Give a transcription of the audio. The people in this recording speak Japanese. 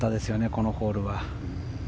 このホールは。